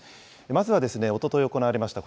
まずはおととい行われました